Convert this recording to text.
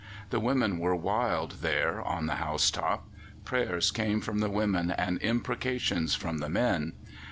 The women were wild there on the house top. Prayers came from the women and imprecations from the men.